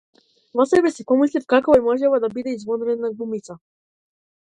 Во себе си помислив како би можела да биде извонредна глумица.